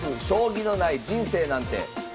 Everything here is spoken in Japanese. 将棋のない人生なんて！」。